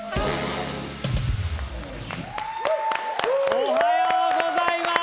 おはようございます！